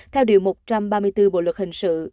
theo điều một trăm ba mươi bốn bộ luật hình sự